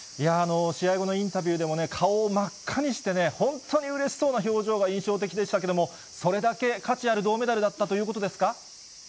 試合後のインタビューでもね、顔を真っ赤にしてね、本当にうれしそうな表情が印象的でしたけれども、それだけ価値ある銅メダルだったということですか？